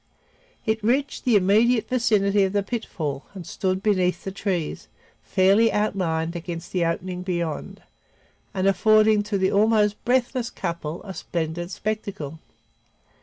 It reached the immediate vicinity of the pitfall and stood beneath the trees, fairly outlined against the opening beyond, and affording to the almost breathless couple a splendid spectacle.